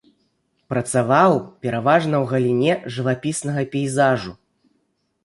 Працаваў пераважна ў галіне жывапіснага пейзажу.